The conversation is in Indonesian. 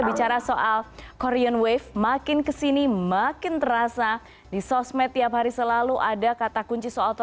bicara soal korean wave makin kesini makin terasa di sosmed tiap hari selalu ada kata kunci soal